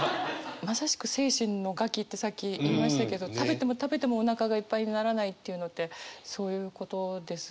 まさしく精神の餓鬼ってさっき言いましたけど食べても食べてもおなかがいっぱいにならないっていうのってそういうことですし。